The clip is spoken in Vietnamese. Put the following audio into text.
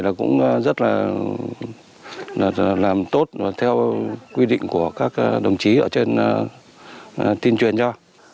mọi người là cũng rất là làm tốt theo quy định của các đồng chí ở trên tin truyền cho